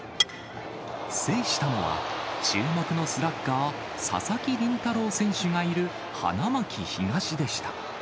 制したのは、注目のスラッガー、佐々木麟太郎選手がいる花巻東でした。